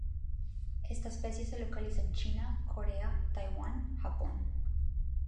Esta especie se localiza en China, Corea, Taiwán, Japón.